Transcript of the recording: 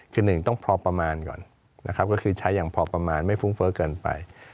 คือหนึ่งต้องพอประมาณก่อนนะครับก็คือใช้อย่างพอประมาณไม่ฟุ้งเฟ้อเกินไป